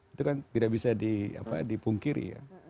itu kan tidak bisa dipungkiri ya